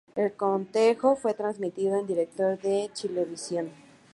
El cotejo fue transmitido en directo por Chilevisión.